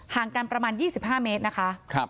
ห่างกันประมาณ๒๕เมตรนะคะ